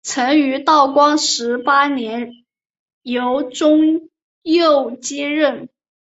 曾于道光十八年由中佑接任。